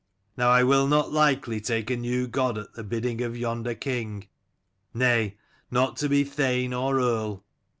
Now I will not lightly take a new god at the bidding of yonder king: nay, not to be Thane or Earl.